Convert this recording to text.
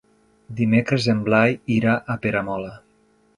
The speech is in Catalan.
Dimecres en Blai irà a Peramola.